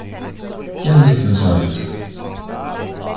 E as definições?